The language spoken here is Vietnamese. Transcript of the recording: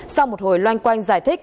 sau một hồi loanh quanh giải thích